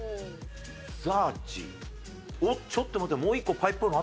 おっちょっと待って。